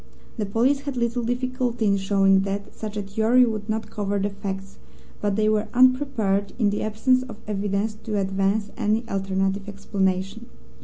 The police had little difficulty in showing that such a theory would not cover the facts, but they were unprepared in the absence of evidence to advance any alternative explanation.